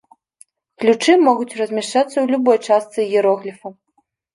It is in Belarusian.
Ключы могуць размяшчацца ў любой частцы іерогліфа.